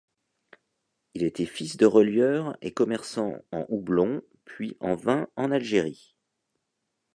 Il était fils de relieur et commerçant en houblon, puis en vin en Algérie.